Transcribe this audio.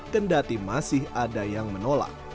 kendati masih ada yang menolak